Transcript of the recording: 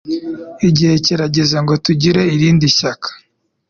Igihe kirageze ngo tugire irindi shyaka